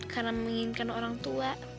karena menginginkan orang tua